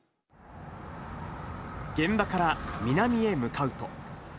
現場から南へ向かうと。